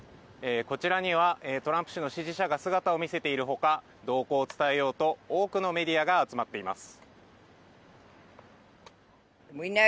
こちらにはトランプ氏の支持者が姿を見せているほか、動向を伝えようと多くのメディアが集まっています。